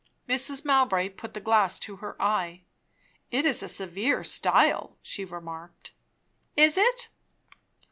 Mrs. Mowbray put the glass to her eye. "It is a severe style " she remarked. "Is it?"